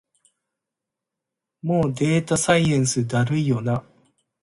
もうデータサイエンスだるいよな